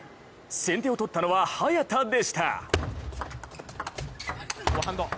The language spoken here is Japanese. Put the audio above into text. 先手を取ったのは早田でした。